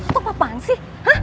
lu apaan sih